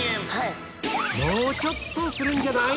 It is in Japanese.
もうちょっとするんじゃない？